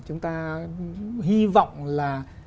chúng ta hy vọng là